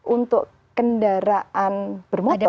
untuk kendaraan bermotor